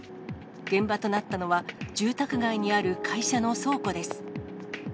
現場となったのは、住宅街にある会社の倉庫です。